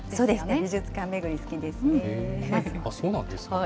美術館巡り、好きですね。